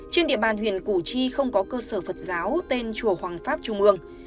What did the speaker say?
trên địa bàn huyện củ chi không có cơ sở phật giáo tên chùa hoàng pháp trung ương